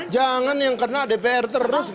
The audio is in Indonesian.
jangan yang kena dpr terus